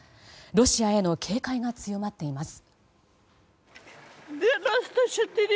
ロシアへの警戒が強まっています。